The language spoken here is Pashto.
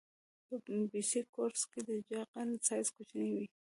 په بیس کورس کې د جغل سایز کوچنی وي